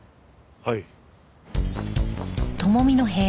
はい。